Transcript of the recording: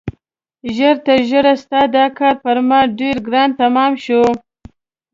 ژر تر ژره ستا دا کار پر ما ډېر ګران تمام شو.